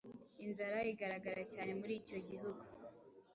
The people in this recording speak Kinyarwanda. inzara igaragara cyane muri icyo gihugu